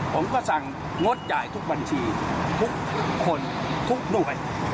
ผมก็สั่งงดจ่ายทุกบัญชีทุกคนทุกหน่วย